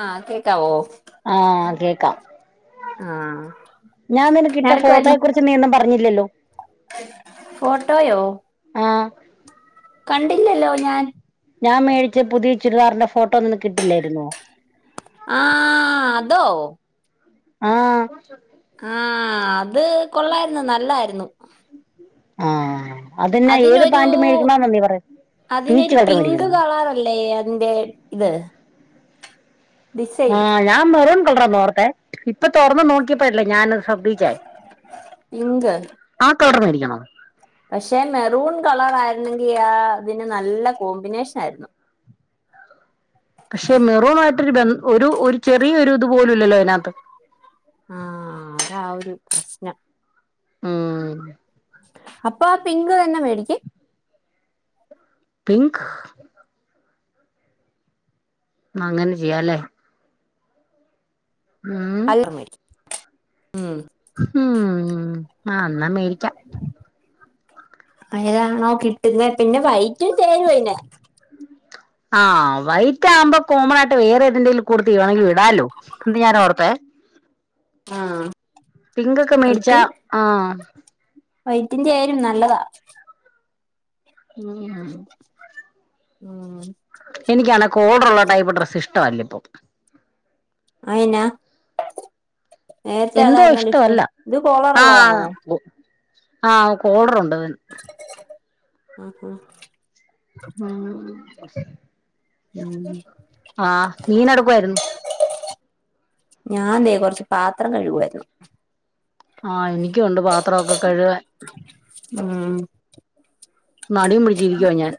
ആ കേ ക്കവോ ആ കേക്കാം. ആഹ് ഞാൻ നിനക്കിട്ട ഞാനെടുക്കുവായിരുന്നു ഫോട്ടോയെ കുറിച്ച് നീയൊന്നും പറഞ്ഞില്ലല്ലോ. ഫോട്ടോയോ? ആഹ് കണ്ടില്ലല്ലോ ഞാൻ. ഞാൻ മേടിച്ച പുതിയ ചുരിദാറിന്റെ ഫോട്ടോ നിനക്കിട്ടില്ലേരുന്നോ? ആഹ്.... അതോ ആ ആ അത് കൊള്ളാരുന്നു. നല്ലാരുന്നു ആ അതിനൊരു പീച്ച് അതിനെരു കളർ പിങ്ക് മേടിക്കണോ കളറല്ലേ അതിന്റെ ഇത്?. ഡിസൈൻ ആഹ്... ഞാൻ മെറുൺ കളറെന്നോർത്തേ ഇപ്പൊ തോറ്ന്നു നോക്കിയപ്പല്ലേ ഞാനത് ശ്രദ്ധിച്ചേ പിങ്ക് [unintelligible] [unintelligible] മേടിക്കണോ? ണെങ്കി ആ ഇതിന് നല്ല കോമ്പിനേഷനായ്ര്ന്നു. പക്ഷെ മെറൂണായിട്ട് ഒരു ബം ഒരു ഒരു ചെറിയ ഇത് പോലും ഇല്ലല്ലോ അയിനാത്. ആഹ്... അതാ ആ ഒരു ന മ്മ് അപ്പൊ ആ പിങ്ക് തന്നെ മേടിക്ക്. പിങ്ക് അങ്ങനെ ചെയ്യല്ലേ അല്ല [unintelligible] മ് മ്മ് ആ ന്നാ മേടിക്കാ ഏതാണാവോ കിട്ട്ന്നെ പിന്നെ വൈകി [unintelligible] ചേരുവയ്നെ ആ വെയിറ്റ് ആകുമ്പോ കോമനായിട്ട് വേറെതിന്റേലും കൂട്ടത്തി ഇടാലോ ത ഞ ഓർത്തേ ആഹ് പിങ്കോക്കെ മേടിച്ച ആ വൈറ്റും ചേരും നല്ലതാ മ്മ് മ് എനിക്കാണേ കോളറുള്ള ടൈപ് ഡ്രസ്സ്‌ ഇഷ്ട്ടല്ല പ്പോ അയെന്ന? നേരത്തെ എന്തോ അതായിരുന്നല്ലോ ഇഷ്ട്ടം ഇഷ്ടമല്ല ഇത് കോളർ ള്ളതാണോ? ആ കോളറുണ്ട് തിന് അ അ ആ ഉം ആ മീനൊടുക്കുവായിരുന്നു. ഞാൻ ദേ കൊറച്ച് പാത്രം കഴുകുവാരുന്നു ആ എനിക്കുണ്ട് പാത്രൊക്കെ കഴുകൻ ഉം മടിയും പിടിച്ചീരിക്കുവാ ഞാൻ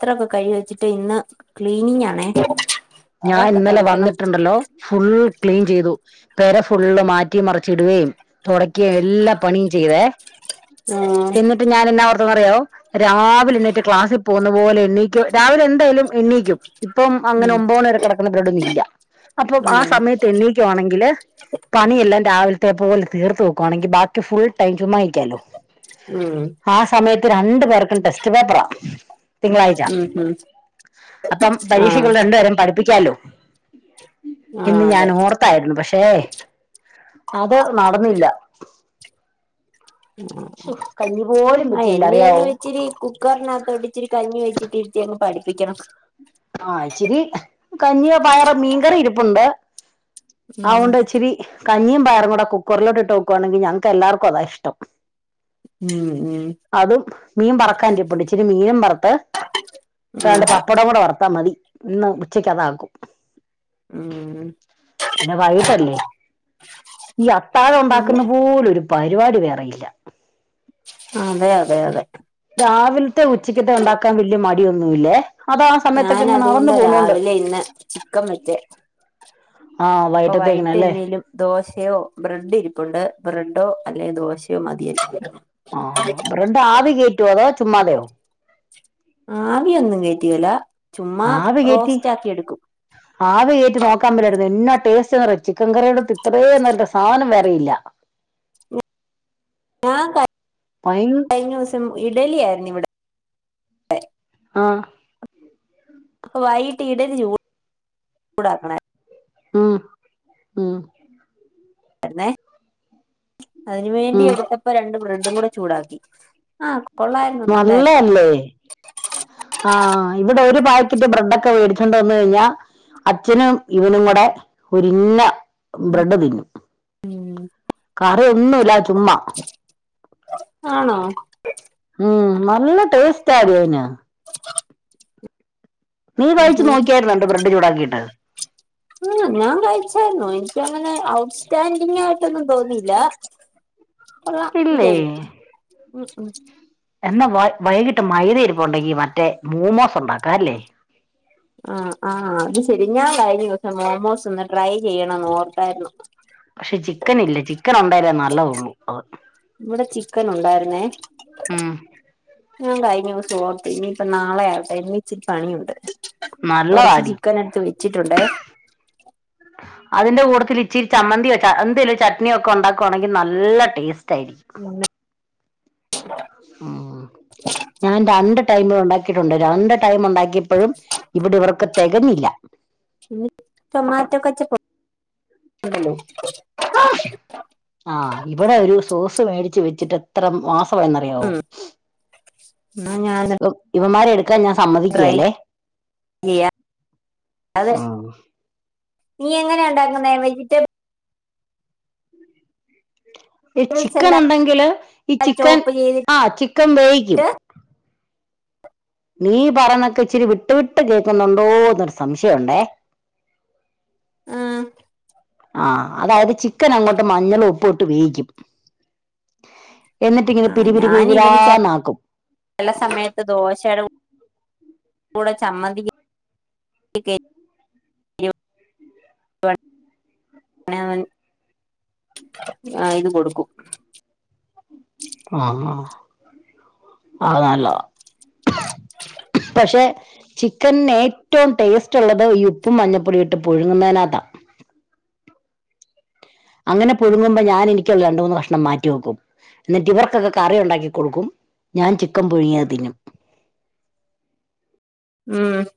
ത്രൊക്കെ കഴികി വെച്ചിട്ട് ഇന്ന് ക്ലീനിങ്ങാണേ ഞാൻ ഇന്നലെ വന്നിട്ടുണ്ടല്ലോ ഫുൾ ക്ലീൻ ചെയ്തു പെര ഫുള്ള് മാറ്റി മറിച്ചിടുകയും തൊട ക്കെം എല്ലാ പണിയും ചെയ്‌ വേ ഉം എന്നിട്ട് ഞാനെന്നാ ഒ ന്തന്നറിയോ രാവിലെ എണീറ്റ് ക്ലാസ്സിൽ പോവുന്ന പോലെ എണ്ണീക്കും രാവിലെ എന്തായാലും എണ്ണീക്കും ഇപ്പം അങ്ങനെ ഉം ഒമ് കെടക്ക്ണ ബ്രഡൊന്നു ഇല്ല അപ്പൊ ആ ഉം സമയത്ത് എണ്ണീക്കുവാണെങ്കില് പണിയെല്ലാം രാവിലത്തെ പോല് തീർത്ത് വെക്കുവാണെങ്കി ബാക്കി ഫുൾ ടൈം ചുമ്മായിരിക്കാലോ ഉം രണ്ടു പേർക്കും ടെസ്റ്റ് പേപ്പറാ തിങ്കളാഴ്ച ഉം ഉം ഉം അപ്പം ആഹ് പരീക്ഷക്കുള്ള രണ്ടെരം [unintelligible] ആഹ് ഇന്ന് ഞാൻ അതെ ഓർത്തായിരുന്നു പക്ഷേ അത് നടന്നില്ല. ശോ കഞ്ഞി പോലും ആ ആ വെച്ചില്ല അറിയാവോ എണ്ണിയെല്ല് ഇച്ചിരി കുക്കറിനഅത്തോട്ട് ച്ചിരി കഞ്ഞി വെച്ചിട്ടി ത്യങ്ങ് പഠിപ്പിക്കണം ആ ഇച്ചിരി കഞ്ഞിയോ പയറോ മീൻക്കറി ഇരിപ്പുണ്ടോ? ആ ഉം ഉണ്ട് ച്ചിരി കഞ്ഞിയും പായറും കൂടെ കുക്കറിലോട്ടിട്ട് വെക്കുവാണങ്കി ഞങ്ങൾ ക്കെല്ലാർക്കും അതാ ഇഷ്ടം. ഉം ഉം അതും മീൻ പറക്കാനിരിപ്പുണ്ട് ഇച്ചിരി മീനും പറത്ത് വേണ്ട പപ്പടം കൂടെ വറ ത്താ മതി ഇന്ന് ഉച്ചക്ക് അതാക്കും. ഉം പിന്നെ വൈകീട്ടല്ലേ ഈ ഉം അതെ അത്താഴണ്ടാക്കുന്ന പോലൊരു പരിവാടി വേറെയില്ല. അതെ അതെ അതെ രാവില്ത്തെ ഉച്ചക്കത്തെ ഉണ്ടാക്കാൻ വല്യ മടിയൊന്നുല്ലേ ഞാനത്കൊണ്ട രാവിലെ ഇന്ന് ചിക്കൻ വെച്ചേ ആ ഇപ്പൊ വൈകിട്ടത്തേക്കിനല്ലേ വൈട്ടെന്നിലും ദോശെയോ ബ്രെഡ് രിപ്പുണ്ട് ബ്രെഡോ അല്ലേ ദോശയോ മതിയാരി [unintelligible] ആ ബ്രഡ് ആവികേറ്റ്യോ അതോ ചുമ്മാതെയോ? ആവിയൊന്നും കേറ്റുകേല ആവികേറ്റി ആവികേറ്റി നോക്കാം മേലായിരുന്നോ എന്നാ ടേസ്റ്റ് സ്റ്റിനറിയോ ചിക്കൻ കറിയോടൊത്ത് ഇത്രേം നല്ല സാനം വേറെ ഇല്ല ഞാൻ കഴി കഴിഞ്ഞൂസം ഇഡലിയായിരുന്നു ഇവടെ ആഹ് അപ്പൊ വൈകിട്ട് ഇഡലി ചൂടാക്കണായിരു ഉം ഉം തടുന്നേ അയിനു വേണ്ടി ഉം എടുത്തപ്പോ രണ്ട് ബ്ര ഡും കൂടെ ചൂടാക്കി ആഹ് നല്ലേല്ലേ ആഹ് ഇവടെ ഒരു പാക്കറ്റ് ബ്രഡ്ക്കെ വേടി ച്ച് കൊണ്ടൊന്നു കഴിഞ്ഞ അച്ഛനും ഇവനും കൂടെ ഒരിന്ന ബ്രഡ് തിന്നും ഉം കറിയൊന്നുല്ലാതെ ചുമ്മാ ആണോ ഉം നല്ല ടേസ് റ്റാടി അയിന് നീ ഉം കഴിച്ചു നോക്കിയാരുന്നോ രണ്ട് ബ്ര ഡ് ചൂടാക്കീട്ട് ഉം ഞാൻ കഴിച്ചായിരുന്നു എനിക്കങ്ങനെ ഔട്ട്സ്റ്റാൻഡിംഗ് ആയിട്ടൊന്നും തോന്നില്ല കൊള്ളാംന്നു ഇല്ലേ തോന്നി ഉഹും എന്നാ വൈ വൈകീട്ട് മൈദയിരിപ്പുണ്ട് ഈ മറ്റേ മോമോസുണ്ടാക്ക അല്ലേ ആഹ് ആ അത് ശരി ഞാൻ കഴിഞ്ഞൂസം മോമോസ് ഒന്ന് ട്രൈ ചെയ്യണംന്ന് ഓർത്തായിരുന്നു പക്ഷേ ചിക്കൻ ഇല്ല ചിക്കനുണ്ടലേ നല്ലതുള്ളു അത് ഇവടെ ചിക്കൻ ഉണ്ടായിരുന്നേ ഉം ഞാൻ കഴിഞ്ഞുസം ഓർത്തു ഇനിപ്പ നാളെയാവട്ടെ ഇന്നിച്ചിരി പണിയുണ്ട് കൊറച്ച് നല്ലതാടി ചിക്കൻ എടുത്ത് വെച്ചിട്ടുണ്ടെ അതിൻ്റെ കൂടെത്തില്ച്ചിരി ചമ്മന്തിയോ ച അ എന്തേലും ചട്ണിക്കെ ഒണ്ടാക്കുവാണെങ്കി നല്ല ടേസ്റ്റ് റ്റായിരിക്കും പിന്നെ ഉം ഞാൻ രണ്ട് ടൈമു ഉണ്ടാക്കിട്ടുണ്ട് രണ്ട് ടൈമ് ഉണ്ടാ ക്കിപ്പഴും ഇവടെ ഇവർക്ക് തെക ഞ്ഞില്ല പിണലോ. ആ ഇവിടെ ഒരു സോസ് സ് മേടിച്ചുവച്ചിട്ടു എത്ര മാസ് വായെന്നറിയാവോ ഉം എന്നാ ഞാൻ ഇവമ്മാരെട് ത്രേം ഞാൻ ട്രൈ സമ്മതിക്കേലെ ചെയ്യാ ഉം. നീയെങ്ങനാ എണ്ടാക്കുന്നെ വെജിറ്റബി ഈ എല്ലാം ചിക്കനൊണ്ടെങ്കില് ഈ ചിക്കൻ ചോപ്പ് ആ ചെയ്തിട്ട് ചിക്കൻ വേവിക്കും. നീ പറേണതൊക്കെ ഇച്ചിരി വിട്ടു വിട്ടു കേക്കുന്നുണ്ടോന്നൊരു സംശയവൊണ്ടേ. ആ ആ അതായതു ചിക്കനങ്ങോട്ട് മഞ്ഞളും ഉപ്പും ഇട്ടു വേവിക്കും എന്നിട്ടിങ്ങനെ ആ പിരിപിരി ഞാനിവനു ചെ പിരിപിരാന്നാക്കും ചെലസമേത്തു ദോശേടെ കൂടെ ചമ്മന്തിക്ക് [unintelligible] [unintelligible] ആ ഇതുകൊടുക്കും. ആ ആ അത് നല്ലതാ. ക്ഷേ ചിക്കൻ ഏറ്റോം ടേസ്റ്റുള്ളത് ഈ ഉപ്പും മഞ്ഞപ്പൊടി ഇട്ടു പുഴുങ്ങുന്നതിനാത്താ. അങ്ങനെ പുഴുങ്ങുമ്പം ഞാൻ എനിക്കൊരു രണ്ടുമൂന്നു കഷ്ണം മാറ്റിവെക്കും. എന്നിട്ടിവർക്കൊക്കെ കറിയൊണ്ടാക്കി കൊടുക്കും ഞാൻ ചിക്കൻ പുഴുങ്ങിയത് തിന്നും. ഉം